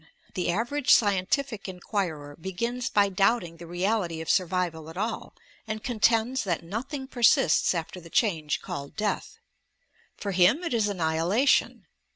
The average scientific inquirer begins by doubting the reality of survival at all, and contends that nothing persists after the change called death. For him it is annihilation!